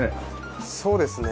そうですね。